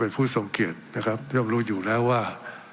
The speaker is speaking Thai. เป็นผู้ทรงเกียรตินะครับย่อมรู้อยู่แล้วว่า